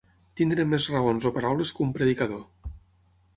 Tenir més raons o paraules que un predicador.